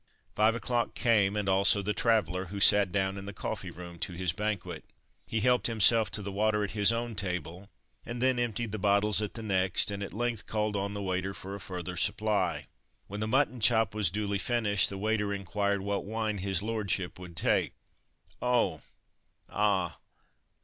Five o'clock came, and also the traveller, who sat down in the coffee room to his banquet. He helped himself to the water at his own table and then emptied the bottles at the next, and at length called on the waiter for a further supply. When the mutton chop was duly finished, the waiter inquired what wine his "lordship" would take. "Oh! ah!